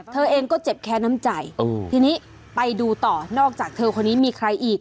เธอเองก็เจ็บแค้นน้ำใจทีนี้ไปดูต่อนอกจากเธอคนนี้มีใครอีก